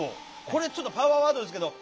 これちょっとパワーワードですけど。